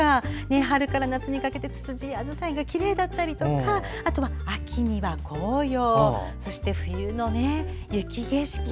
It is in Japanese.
春から夏にかけてつつじや、あじさいがきれいだったりとか、秋には紅葉そして冬の雪景色。